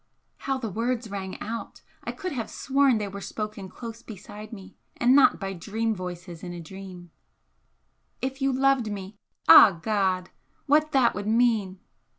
(How the words rang out! I could have sworn they were spoken close beside me and not by dream voices in a dream!) "If you loved me ah God! what that would mean!